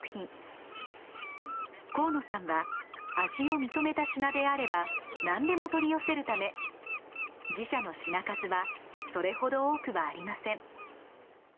河野さんは味を認めた品であればなんでも取り寄せるため自社の品数はそれほど多くはありません。